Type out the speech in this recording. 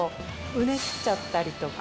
うねっちゃったりとか。